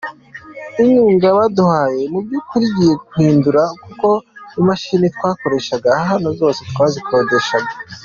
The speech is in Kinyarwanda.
Inkunga baduhaye mu by’ukuri igiye kuduhindura kuko imashini twakoreshaga hano zose twazikodeshaga.